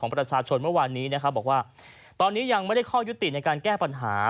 ประชาชนเมื่อวานนี้นะครับบอกว่าตอนนี้ยังไม่ได้ข้อยุติในการแก้ปัญหา